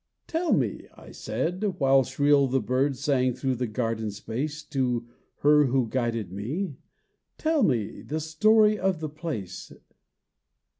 "Tell me," I said, while shrill the birds Sang through the garden space, To her who guided me "tell me The story of the place."